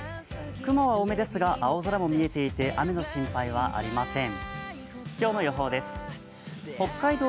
雲は多めですが青空も見えていて雨の心配はありません。